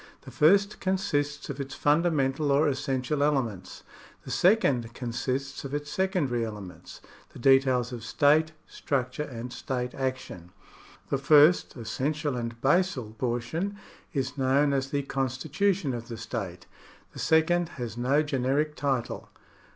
The first consists of its fundamental or essential elements ; the second consists of its secondary elements — the details of state structure and state action. The first, essential, and basal portion is known as the con stitution of the state. The second has no generic title.